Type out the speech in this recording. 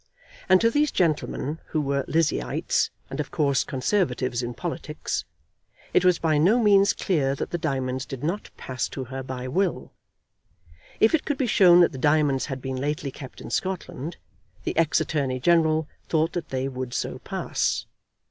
And to these gentlemen, who were Lizzieites and of course Conservatives in politics, it was by no means clear that the diamonds did not pass to her by will. If it could be shown that the diamonds had been lately kept in Scotland, the ex Attorney General thought that they would so pass.